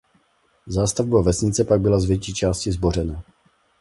Zástavba vesnice pak byla z větší části zbořena.